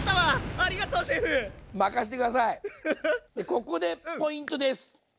ここでポイントです！